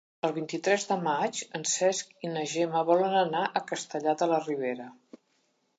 El vint-i-tres de maig en Cesc i na Gemma volen anar a Castellar de la Ribera.